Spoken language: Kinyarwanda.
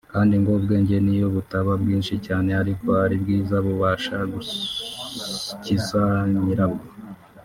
kandi ngo ubwenge niyo butaba bwinshi cyane ariko ari bwiza bubasha gukiza nyirabwo